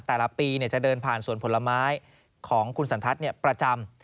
แต่ละปีจะเดินผ่านสวนผลไม้ของคุณสันทัศน์ประจำ